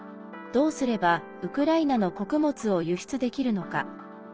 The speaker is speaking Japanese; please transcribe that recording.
どうすればウクライナの穀物を輸出できるのか。